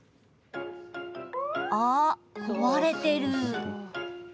あ、壊れてる。